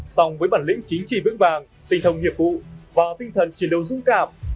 sòng với bản lĩnh chính trị vững vàng tình thông hiệp vụ và tinh thần chiến đấu dũng cảm